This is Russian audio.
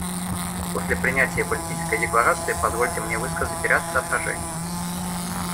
После принятия Политической декларации позвольте мне высказать ряд соображений.